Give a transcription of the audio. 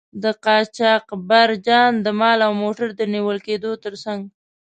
د قاچاقبرجان د مال او موټر د نیول کیدو تر څنګه.